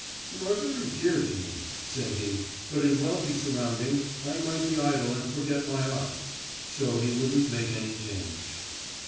"You are very dear to me," said he, "but in wealthy surroundings I might be idle and forget my art." So he wouldn't make any change.